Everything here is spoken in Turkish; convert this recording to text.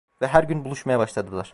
Ve her gün buluşmaya başladılar.